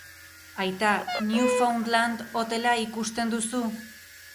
Aita, Newfoundland hotela ikusten duzu?